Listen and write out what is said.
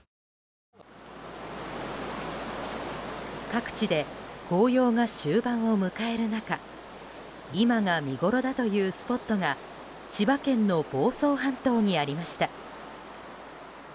各地で紅葉が終盤を迎える中今が見ごろだというスポットが千葉県の房総半島にありました。